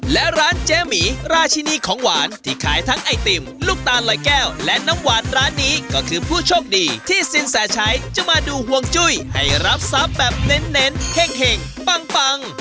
และร้านเจ๊หมีราชินีของหวานที่ขายทั้งไอติมลูกตาลลอยแก้วและน้ำหวานร้านนี้ก็คือผู้โชคดีที่สินแสชัยจะมาดูห่วงจุ้ยให้รับทรัพย์แบบเน้นเฮ่งปัง